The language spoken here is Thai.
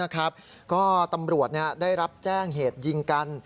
ก็ตำรวจได้รับแจ้งเหตุยิงกัน